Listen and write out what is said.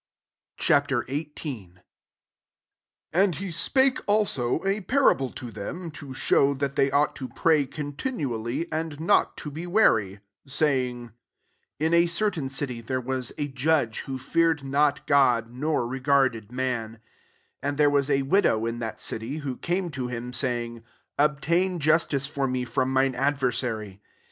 *' Ch, XVIIL 1 And he spake aho a parable to them, to #Acw that they ought to pray continu ally, and not to be weary: 2 say ing, « In a certain city there li^as a judge, who feared not God, nor regarded man : 3 and there was a widow in that city ; who came to him, saying, ' Ob tain justice for me from mine adversary.'